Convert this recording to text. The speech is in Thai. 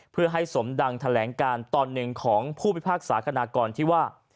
เพื่อให้สมดังแถลงการตอนหนึ่งของผู้พิพากษาคณะกรที่ว่า